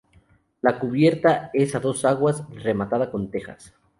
La cubierta es a dos aguas, rematada con tejas.